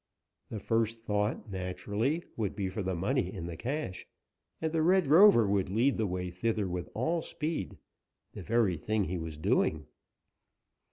The first thought, naturally, would be for the money in the cache, and the Red Rover would lead the way thither with all speed the very thing he was doing.